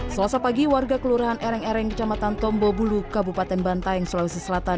selasa pagi warga kelurahan ereng ereng kecamatan tombobulu kabupaten bantaeng sulawesi selatan